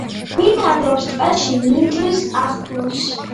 ბინადრობს ტყეში, მინდვრის ახლოს.